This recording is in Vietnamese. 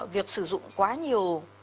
việc sử dụng quá nhiều